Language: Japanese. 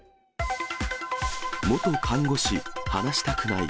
元看護師、話したくない。